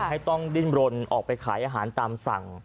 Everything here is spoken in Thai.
ให้ต้องดิ้นรนออกไปขายอาหารตามสั่ง